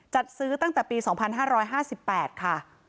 จัดซื้อตั้งแต่ปี๒๕๕๘ค่ะ